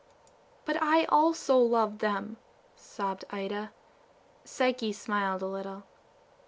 "But I also loved them," sobbed Ida. Psyche smiled a little.